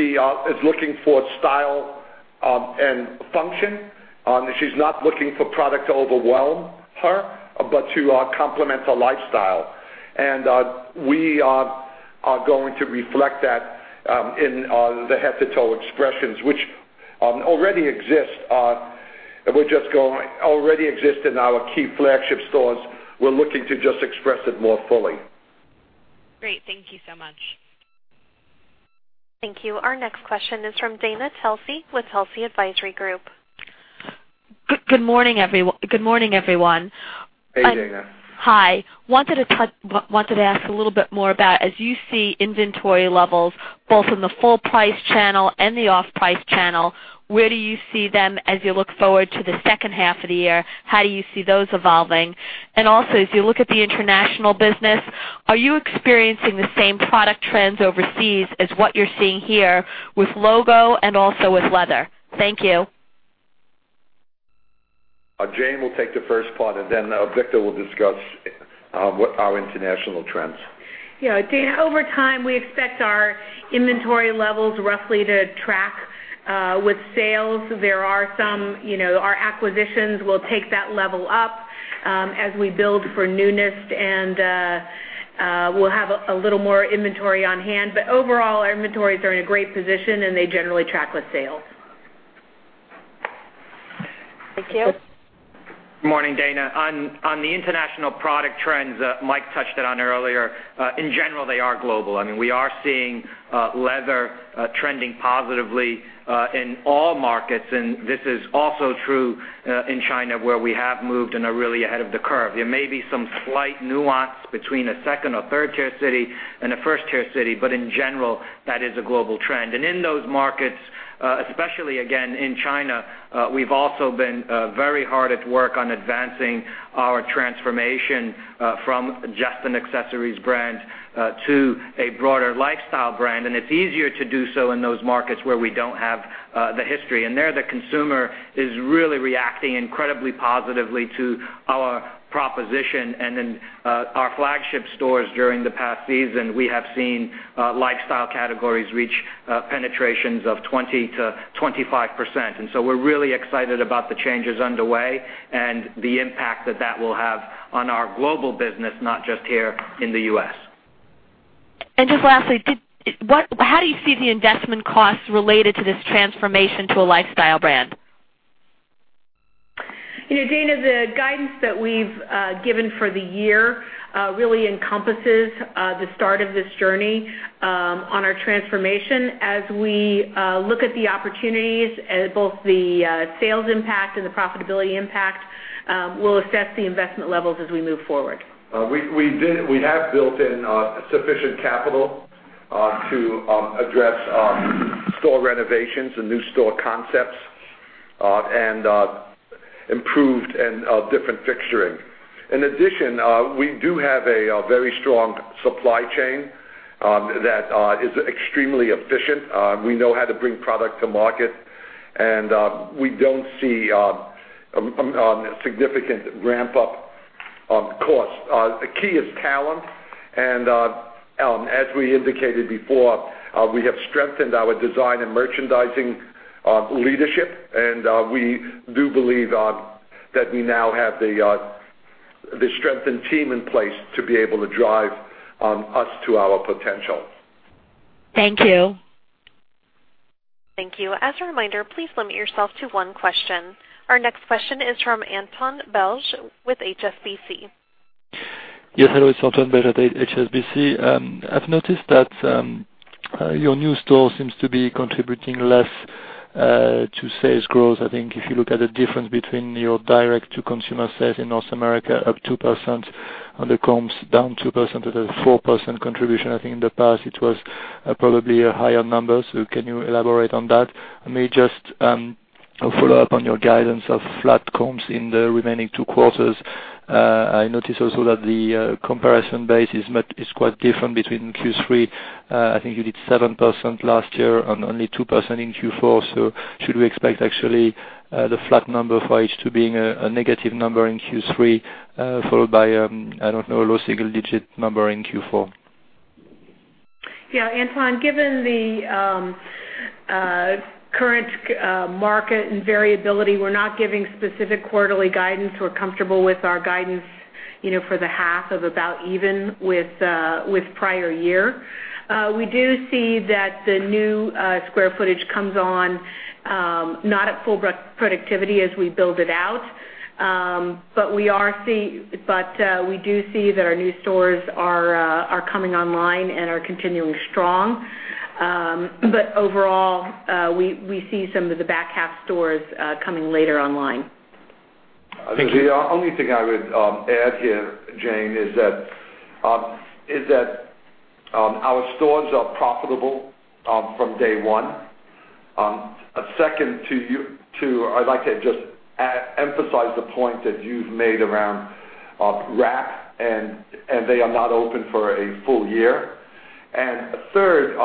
is looking for style and function. She's not looking for product to overwhelm her, but to complement her lifestyle. We are going to reflect that in the head-to-toe expressions, which already exist in our key flagship stores. We're looking to just express it more fully. Great. Thank you so much. Thank you. Our next question is from Dana Telsey with Telsey Advisory Group. Good morning, everyone. Hey, Dana. Hi. I wanted to ask a little bit more about as you see inventory levels, both in the full price channel and the off-price channel, where do you see them as you look forward to the second half of the year? How do you see those evolving? Also, as you look at the international business, are you experiencing the same product trends overseas as what you're seeing here with logo and also with leather? Thank you. Jane will take the first part, then Victor will discuss our international trends. Yeah. Dana, over time, we expect our inventory levels roughly to track with sales. Our acquisitions will take that level up as we build for newness and we'll have a little more inventory on hand. Overall, our inventories are in a great position, and they generally track with sales. Thank you. Good morning, Dana. On the international product trends, Mike touched on it earlier. In general, they are global. I mean, we are seeing leather trending positively in all markets, and this is also true in China, where we have moved and are really ahead of the curve. There may be some slight nuance between a second or third-tier city and a first-tier city, but in general, that is a global trend. In those markets, especially again in China We've also been very hard at work on advancing our transformation from just an accessories brand to a broader lifestyle brand. It's easier to do so in those markets where we don't have the history. There, the consumer is really reacting incredibly positively to our proposition. In our flagship stores during the past season, we have seen lifestyle categories reach penetrations of 20% to 25%. We're really excited about the changes underway and the impact that that will have on our global business, not just here in the U.S. Just lastly, how do you see the investment costs related to this transformation to a lifestyle brand? Dana, the guidance that we've given for the year really encompasses the start of this journey on our transformation. As we look at the opportunities, both the sales impact and the profitability impact, we'll assess the investment levels as we move forward. We have built in sufficient capital to address store renovations and new store concepts, and improved and different fixturing. In addition, we do have a very strong supply chain that is extremely efficient. We know how to bring product to market, and we don't see a significant ramp-up of costs. The key is talent. As we indicated before, we have strengthened our design and merchandising leadership, and we do believe that we now have the strengthened team in place to be able to drive us to our potential. Thank you. Thank you. As a reminder, please limit yourself to one question. Our next question is from Antoine Belge with HSBC. Yes. Hello, it's Antoine Belge at HSBC. I've noticed that your new store seems to be contributing less to sales growth. I think if you look at the difference between your direct-to-consumer sales in North America of 2% on the comps down 2% to the 4% contribution, I think in the past it was probably a higher number. Can you elaborate on that? May just follow up on your guidance of flat comps in the remaining two quarters. I notice also that the comparison base is quite different between Q3. I think you did 7% last year and only 2% in Q4. Should we expect actually the flat number for H2 being a negative number in Q3 followed by, I don't know, a low single-digit number in Q4? Yeah, Erwan, given the current market and variability, we're not giving specific quarterly guidance. We're comfortable with our guidance for the half of about even with prior year. We do see that the new square footage comes on, not at full productivity as we build it out. We do see that our new stores are coming online and are continuing strong. Overall, we see some of the back half stores coming later online. The only thing I would add here, Jane, is that our stores are profitable from day one. Second, I'd like to just emphasize the point that you've made around rack, and they are not open for a full year. Third,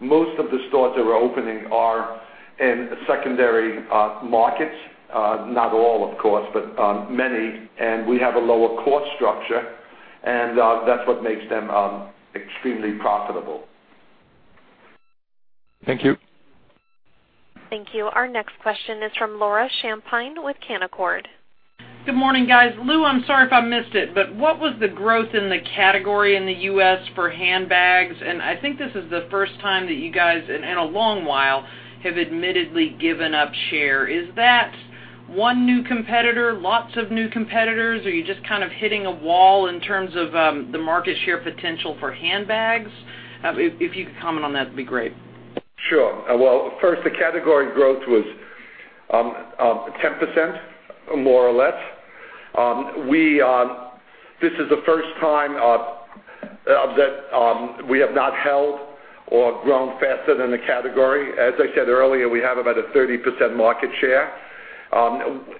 most of the stores that we're opening are in secondary markets. Not all, of course, but many. We have a lower cost structure, and that's what makes them extremely profitable. Thank you. Thank you. Our next question is from Laura Champine with Canaccord. Good morning, guys. Lew, I'm sorry if I missed it, but what was the growth in the category in the U.S. for handbags? I think this is the first time that you guys, in a long while, have admittedly given up share. Is that one new competitor, lots of new competitors? Are you just kind of hitting a wall in terms of the market share potential for handbags? If you could comment on that, it'd be great. Sure. Well, first, the category growth was 10%, more or less. This is the first time that we have not held or grown faster than the category. As I said earlier, we have about a 30% market share.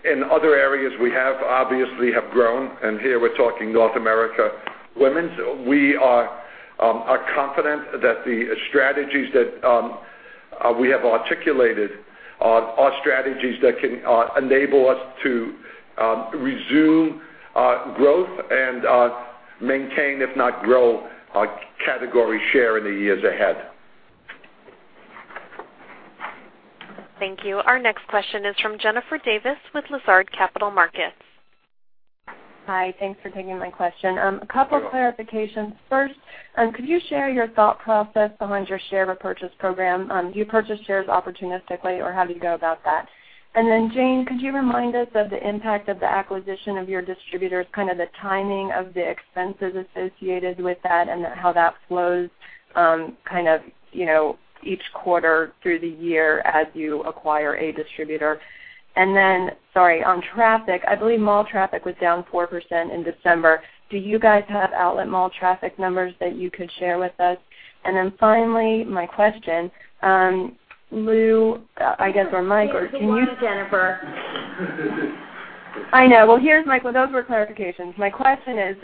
In other areas, we have obviously grown, here we're talking North America women's. We are confident that the strategies that we have articulated are strategies that can enable us to resume growth and maintain, if not grow, category share in the years ahead. Thank you. Our next question is from Jennifer Davis with Lazard Capital Markets. Hi. Thanks for taking my question. Sure. Two clarifications. First, could you share your thought process behind your share repurchase program? Do you purchase shares opportunistically, or how do you go about that? Jane, could you remind us of the impact of the acquisition of your distributors, kind of the timing of the expenses associated with that, and how that flows each quarter through the year as you acquire a distributor? Sorry, on traffic, I believe mall traffic was down 4% in December. Do you guys have outlet mall traffic numbers that you could share with us? Finally, my question, Lew, I guess, or Mike or Jane- It's the one, Jennifer. I know. Well, those were clarifications. My question is,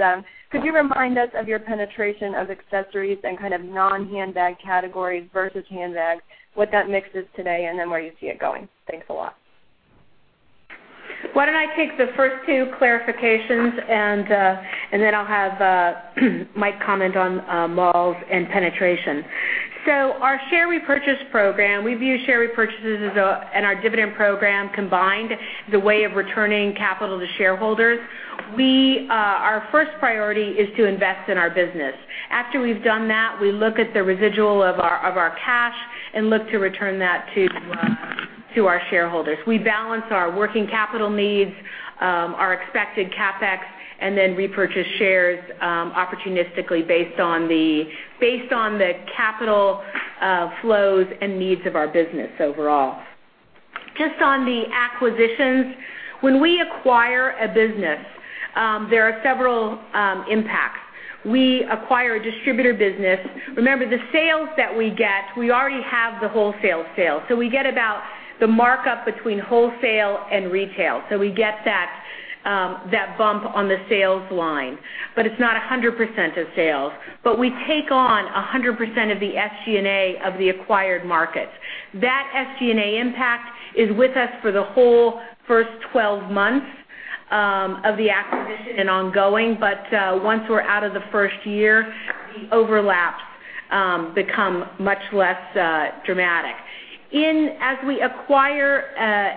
could you remind us of your penetration of accessories and kind of non-handbag categories versus handbags, what that mix is today, and where you see it going? Thanks a lot. Why don't I take the first two clarifications and then I'll have Mike Tucci comment on malls and penetration. Our share repurchase program, we view share repurchases and our dividend program combined as a way of returning capital to shareholders. Our first priority is to invest in our business. After we've done that, we look at the residual of our cash and look to return that to our shareholders. We balance our working capital needs, our expected CapEx, and then repurchase shares opportunistically based on the capital flows and needs of our business overall. On the acquisitions, when we acquire a business, there are several impacts. We acquire a distributor business. Remember, the sales that we get, we already have the wholesale sales. We get about the markup between wholesale and retail. We get that bump on the sales line, but it's not 100% of sales. We take on 100% of the SG&A of the acquired markets. That SG&A impact is with us for the whole first 12 months of the acquisition and ongoing. Once we're out of the first year, the overlaps become much less dramatic. As we acquire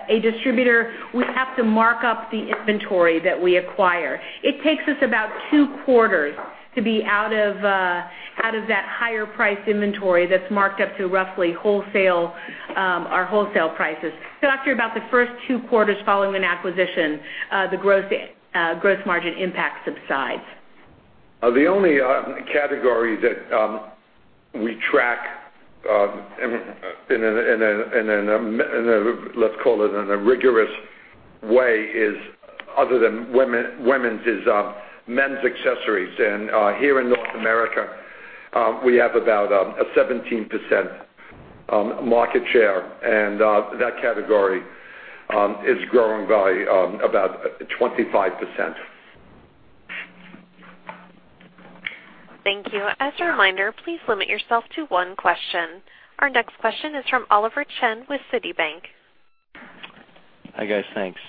a distributor, we have to mark up the inventory that we acquire. It takes us about two quarters to be out of that higher priced inventory that's marked up to roughly our wholesale prices. After about the first two quarters following an acquisition, the gross margin impact subsides. The only category that we track in, let's call it, in a rigorous way, other than women's, is men's accessories. Here in North America, we have about a 17% market share, and that category is growing by about 25%. Thank you. As a reminder, please limit yourself to one question. Our next question is from Oliver Chen with Citigroup. Hi, guys. Thanks.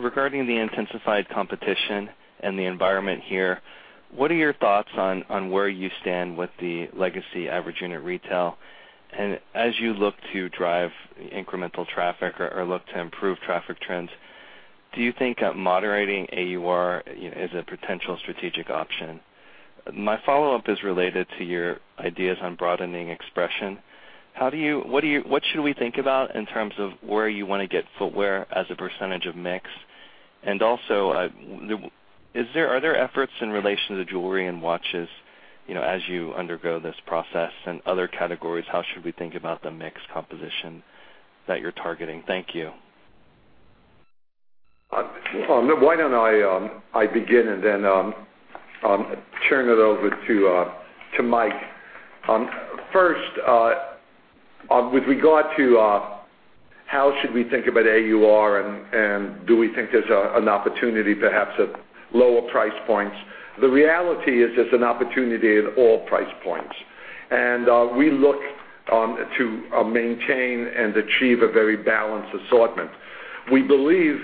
Regarding the intensified competition and the environment here, what are your thoughts on where you stand with the Legacy average unit retail? As you look to drive incremental traffic or look to improve traffic trends, do you think moderating AUR is a potential strategic option? My follow-up is related to your ideas on broadening expression. What should we think about in terms of where you want to get footwear as a percentage of mix? Are there efforts in relation to jewelry and watches as you undergo this process, and other categories, how should we think about the mix composition that you're targeting? Thank you. Why don't I begin and then turn it over to Mike. First, with regard to how should we think about AUR and do we think there's an opportunity perhaps at lower price points, the reality is there's an opportunity at all price points. We look to maintain and achieve a very balanced assortment. We believe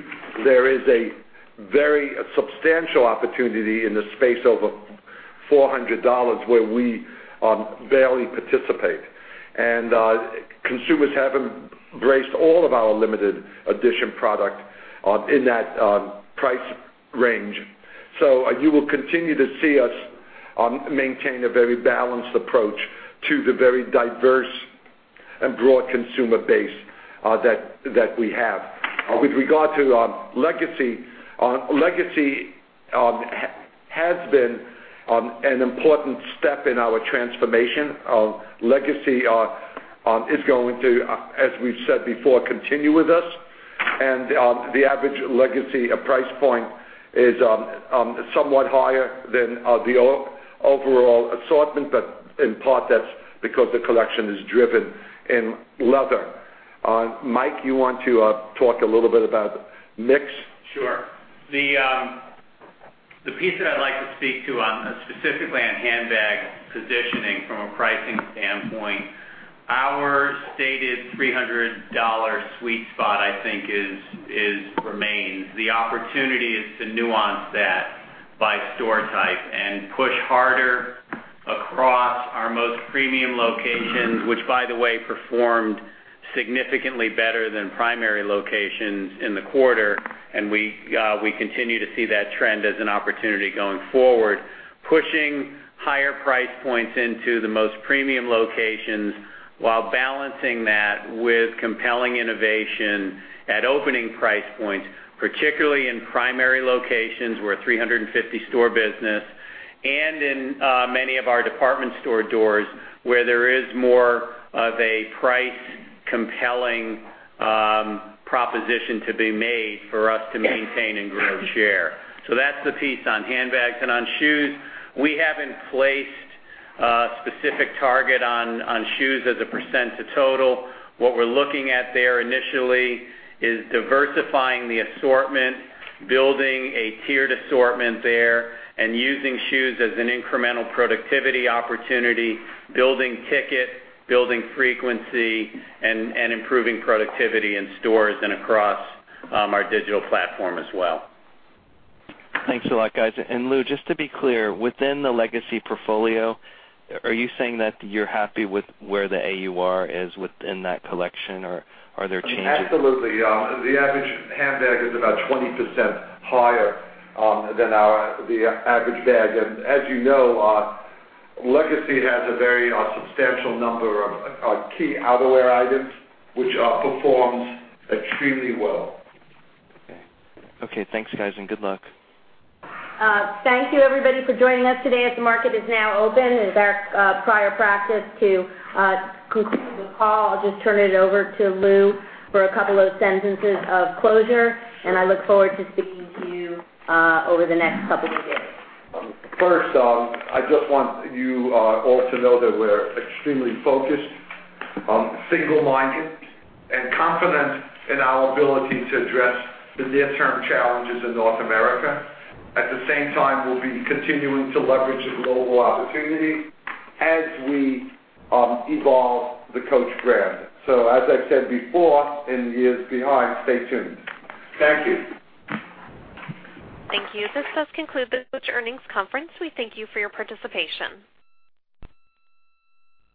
there is a very substantial opportunity in the space over $400 where we barely participate. Consumers haven't embraced all of our limited edition product in that price range. You will continue to see us maintain a very balanced approach to the very diverse and broad consumer base that we have. With regard to Legacy has been an important step in our transformation. Legacy is going to, as we've said before, continue with us. The average Legacy price point is somewhat higher than the overall assortment, but in part that's because the collection is driven in leather. Mike, you want to talk a little bit about mix? Sure. The piece that I'd like to speak to on specifically on handbag positioning from a pricing standpoint, our stated $300 sweet spot, I think remains. The opportunity is to nuance that by store type and push harder across our most premium locations, which by the way, performed significantly better than primary locations in the quarter, and we continue to see that trend as an opportunity going forward. Pushing higher price points into the most premium locations while balancing that with compelling innovation at opening price points, particularly in primary locations. We're a 350 store business, and in many of our department store doors where there is more of a price compelling proposition to be made for us to maintain and grow share. That's the piece on handbags. On shoes, we haven't placed a specific target on shoes as a percent to total. What we're looking at there initially is diversifying the assortment, building a tiered assortment there, and using shoes as an incremental productivity opportunity, building ticket, building frequency, and improving productivity in stores and across our digital platform as well. Thanks a lot, guys. Lew, just to be clear, within the Legacy portfolio, are you saying that you're happy with where the AUR is within that collection or are there changes? Absolutely. The average handbag is about 20% higher than the average bag. As you know, Legacy has a very substantial number of key outerwear items which performs extremely well. Okay. Thanks, guys, and good luck. Thank you everybody for joining us today. As the market is now open, it is our prior practice to conclude the call. I'll just turn it over to Lew for a couple of sentences of closure, and I look forward to speaking to you over the next couple of days. First, I just want you all to know that we're extremely focused, single-minded, and confident in our ability to address the near-term challenges in North America. At the same time, we'll be continuing to leverage the global opportunity as we evolve the Coach brand. As I've said before in years behind, stay tuned. Thank you. Thank you. This does conclude the Coach earnings conference. We thank you for your participation.